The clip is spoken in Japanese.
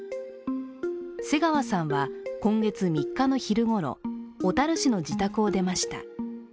瀬川さんは今月３日の昼ごろ、小樽市の実家を出ました。